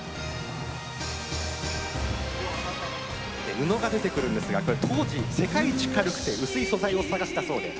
布が登場するんですけど当時、世界一軽くて薄い素材を探したそうです。